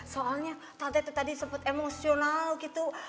soalnya tante tuh tadi sempet emosional gitu